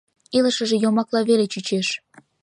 Илышыже йомакла веле чучеш.